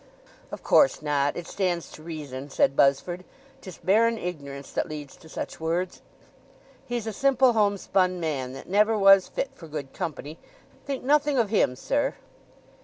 "Of course not—it stands to reason," said Buzzford. "'Tis barren ignorance that leads to such words. He's a simple home spun man, that never was fit for good company—think nothing of him, sir."